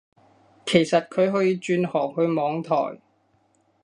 其實佢可以轉行去網台